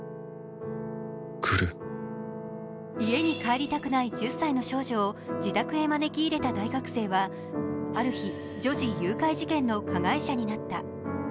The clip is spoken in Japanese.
家に帰りたくない１０歳の少女を自宅へ招き入れた大学生はある日、女児誘拐事件の加害者になった。